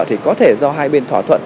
thì có thể do hai bên thỏa thuận